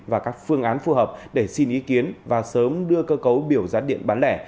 và các phương án phù hợp để xin ý kiến và sớm đưa cơ cấu biểu giá điện bán lẻ